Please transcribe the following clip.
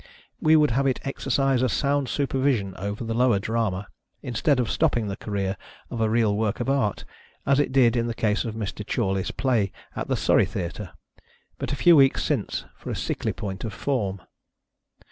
We would have it ex ercise a sound supervision over the lower drama, instead of stopping the career of a real work of art, as it did in the case of Mr. Chorley's play at the Surrey Theatre, but a few weeks since, for a sickly point of form.